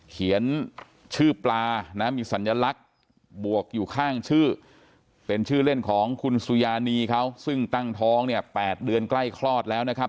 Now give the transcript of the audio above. เขียนชื่อปลานะมีสัญลักษณ์บวกอยู่ข้างชื่อเป็นชื่อเล่นของคุณสุยานีเขาซึ่งตั้งท้องเนี่ย๘เดือนใกล้คลอดแล้วนะครับ